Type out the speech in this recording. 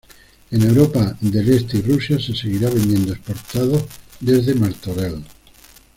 En Europa del Este y Rusia se seguirán vendiendo exportados desde Martorell.